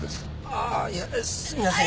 ああいやすみません。